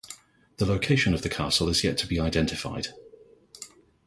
The location of the castle is yet to be identified.